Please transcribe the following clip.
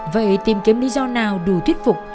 vậy tìm kiếm lý do nào đủ thuyết phục